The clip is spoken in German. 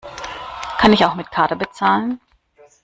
Kann ich auch mit Karte bezahlen?